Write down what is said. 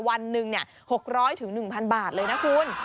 วันหนึ่งเนี่ย๖๐๐ถึง๑๐๐๐บาทเลยนะคุณ